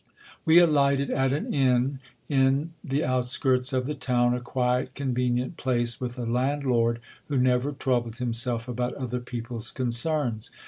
We alighted at an inn in the out skirts of the town, a quiet convenient place, with a landlord who never trou bled himself about other people's concerns.